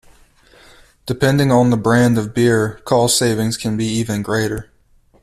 Depending on the brand of beer, cost savings can be even greater.